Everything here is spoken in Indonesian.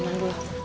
aduh karunnya pisah